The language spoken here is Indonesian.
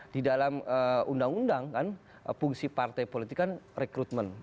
di dalam undang undang kan fungsi partai politik kan rekrutmen